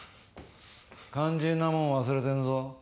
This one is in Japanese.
肝心なものを忘れてるぞ。